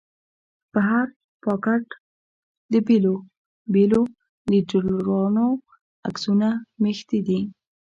پر هر پاټک د بېلو بېلو ليډرانو عکسونه مښتي دي.